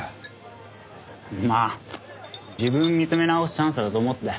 まあ自分見つめ直すチャンスだと思って。